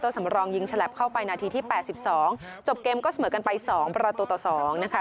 ตัวสำรองยิงฉลับเข้าไปนาทีที่แปดสิบสองจบเกมก็เสมอกันไปสองประตูต่อสองนะคะ